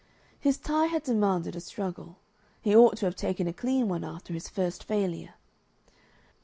His tie had demanded a struggle; he ought to have taken a clean one after his first failure.